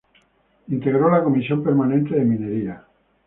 Integró la Comisión Permanente de Minería.